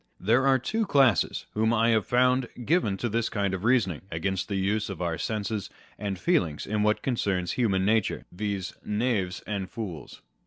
There are two classes whom I have found given to this kind of reasoning against the use of our senses and feelings in what concerns human nature, viz., knaves and fools.